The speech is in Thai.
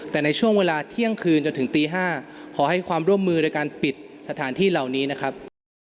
แต่ในช่วงเวลาเที่ยงคืนจนถึงตี๕ขอให้ความร่วมมือโดยการปิดสถานที่เหล่านี้นะครับ